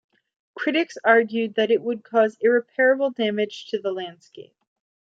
Critics argued that it would cause irreparable damage to the landscape.